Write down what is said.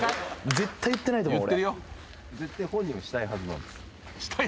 絶対言ってないと思う俺。